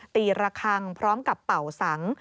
ระคังพร้อมกับเป่าสัง